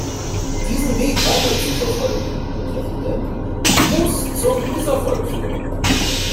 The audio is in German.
Diesen Weg weiter zu verfolgen, Herr Präsident, muss zum Misserfolg führen.